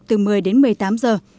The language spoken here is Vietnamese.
từ một mươi đến một mươi tám giờ